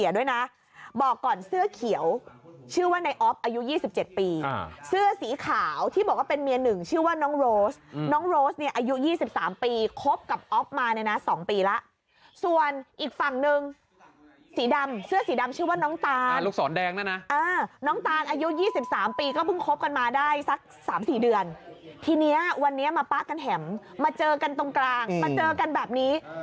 ด้วยนะบอกก่อนเสื้อเขียวชื่อว่าในออฟอายุ๒๗ปีเสื้อสีขาวที่บอกว่าเป็นเมียหนึ่งชื่อว่าน้องโรสน้องโรสเนี่ยอายุ๒๓ปีคบกับอ๊อฟมาเนี่ยนะ๒ปีแล้วส่วนอีกฝั่งหนึ่งสีดำเสื้อสีดำชื่อว่าน้องตานลูกศรแดงเนี่ยนะน้องตานอายุ๒๓ปีก็เพิ่งคบกันมาได้สัก๓๔เดือนทีเนี้ยวันนี้มาป๊ะกันแถมมาเจอกันตรงกลางมาเจอกันแบบนี้